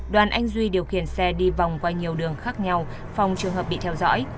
đoàn anh duy điều khiển xe đi vòng qua nhiều đường khác nhau phòng trường hợp bị theo dõi